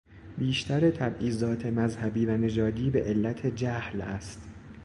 بیشتر تبعیضات مذهبی و نژادی به علت جهل است.